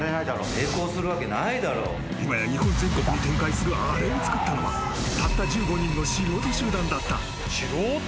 今や日本全土で展開するあれを作ったのはたった１５人の素人集団だった。